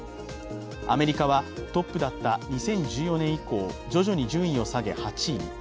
アメリカはトップだった２０１４年以降、徐々に順位を下げ８位に。